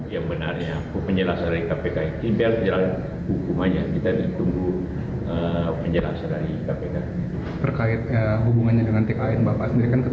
ya pastilah terutama efeknya p tiga